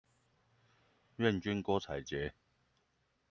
願君郭采潔